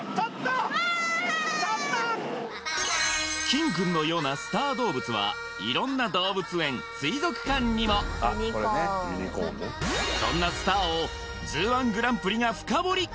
キンくんのようなスター動物は色んな動物園水族館にもそんなスターを「ＺＯＯ−１グランプリ」が深掘り！